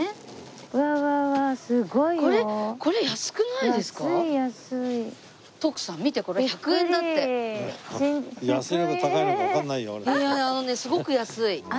いやあのねすごく安い。